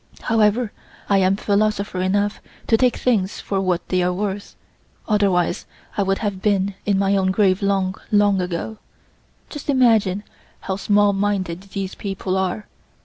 However, I am philosopher enough to take things for what they are worth, otherwise I would have been in my own grave long, long ago. Just imagine how small minded these people are.